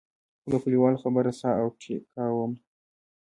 خو د کلیوالو خبره ساه او ټیکا وم.